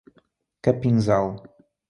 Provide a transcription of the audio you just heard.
Capinzal